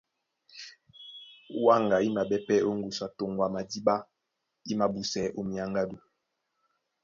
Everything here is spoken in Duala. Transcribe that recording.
Wáŋga í maɓɛ́ pɛ́ ó ŋgusu á toŋgo a madíɓá í mābúsɛɛ́ ó minyáŋgádú.